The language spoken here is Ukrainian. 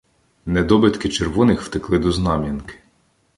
Недобитки червоних втекли до Знам'янки.